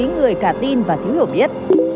tâm lý người cả tin và thiếu hiểu biết